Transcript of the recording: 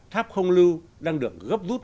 tháp không lưu đang được gấp rút